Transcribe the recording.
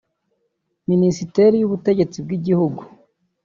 Minisiteri y’ubutegetsi bw’igihugu